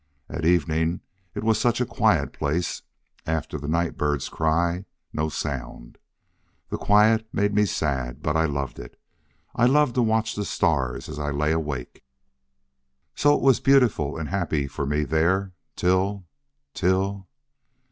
At evening it was such a quiet place after the night bird's cry, no sound. The quiet made me sad but I loved it. I loved to watch the stars as I lay awake. "So it was beautiful and happy for me there till till...